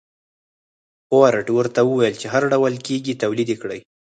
فورډ ورته وويل چې هر ډول کېږي توليد يې کړئ.